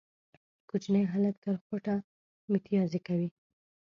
کوچنی هلک تر خوټه ميتيازې کوي